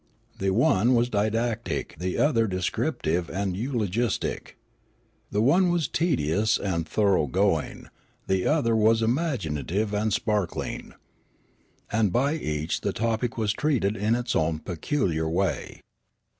The one was didactic, the other descriptive and eulogistic. The one was tedious and thoroughgoing ; the other was imaginative and spark ling. And by each the topic was treated in its own peculiar way.